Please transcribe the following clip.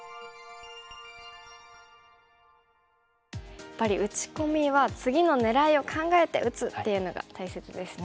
やっぱり打ち込みは次の狙いを考えて打つっていうのが大切ですね。